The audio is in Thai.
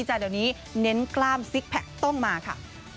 แต่เดี๋ยวนี้เน้นกล้ามซิกแพคต้องมาค่ะ